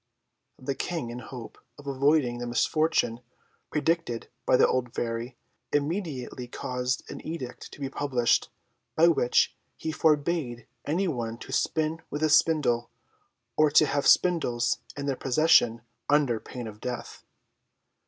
The King, in hope of avoiding the misfortune predicted by the old Fairy, immediately caused an edict to be published, by which he forbade any one to spin with a spindle, or to have spindles in their possession, under pain of death.